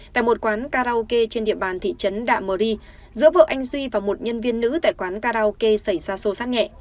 tại một quán karaoke trên địa bàn thị trấn đạ mơ ri giữa vợ anh duy và một nhân viên nữ tại quán karaoke xảy ra sô sát nhẹ